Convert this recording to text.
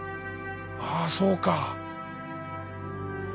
あそうか。